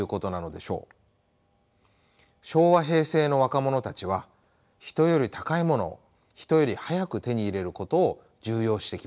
昭和・平成の若者たちは人より高いものを人より速く手に入れることを重要視してきました。